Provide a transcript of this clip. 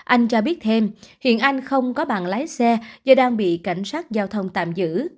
anh cho biết thêm hiện anh không có bàn lái xe do đang bị cảnh sát giao thông tạm giữ